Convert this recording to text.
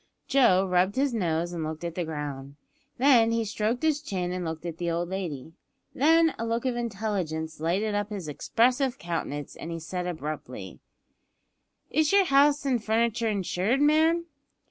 Joe rubbed his nose and looked at the ground; then he stroked his chin and looked at the old lady; then a look of intelligence lighted up his expressive countenance as he said abruptly "Is yer house an' furniture insured, ma'am?"